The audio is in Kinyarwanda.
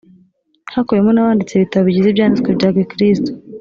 hakubiyemo n abanditse ibitabo bigize ibyanditswe bya gikristo